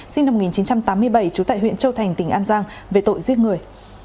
sinh năm một nghìn chín trăm tám mươi bảy trú tại huyện châu thành tỉnh an giang về tội giết người